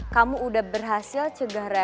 kamu udah berhasil cegah reva